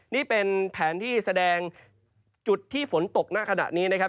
นี่เป็นแผนที่แสดงจุดที่ฝนตกณขณะนี้นะครับ